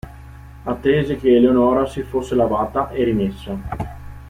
Attese che Eleonora si fosse lavata e rimessa.